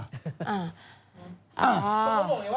อ้าว